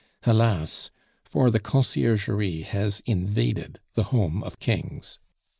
Alas! for the Conciergerie has invaded the home of kings.